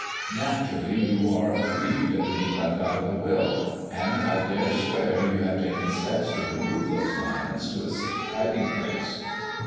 Naturally you are aggrieved THE DEAD MAN's DIAMONDS 205 at being left out of the will, and I dare swear you have taken steps to remove those diamonds to a safe hiding place."